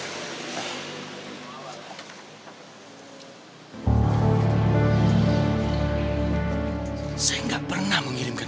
nanti saya akan mengirimkan